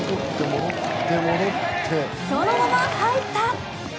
そのまま入った！